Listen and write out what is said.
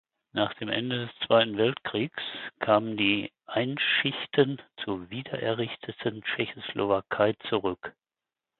Nach dem Ende des Zweiten Weltkrieges kamen die Einschichten zur wiedererrichteten Tschechoslowakei zurück.